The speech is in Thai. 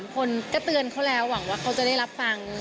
คนก็เตือนเขาแล้วหวังว่าเขาจะได้รับฟัง